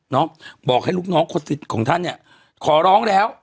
บอกให้ลูกน้องคนสิทธิ์ของท่านเนี่ยขอร้องแล้ว